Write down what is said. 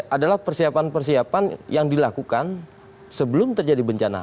adalah persiapan persiapan yang dilakukan sebelum terjadi bencana